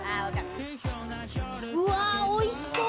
うわおいしそう！